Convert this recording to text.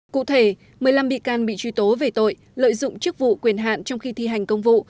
cụ thể một mươi năm bị can bị truy tố về tội lợi dụng chức vụ quyền hạn trong khi thi hành công vụ